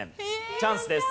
チャンスです。